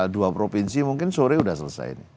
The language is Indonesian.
dua provinsi mungkin sore sudah selesai ini